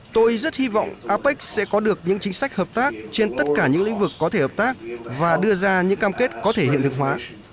tôi rất hy vọng apec sẽ có được những chính sách hợp tác trên tất cả những lĩnh vực có thể hợp tác và đưa ra những cam kết có thể hiện thực hóa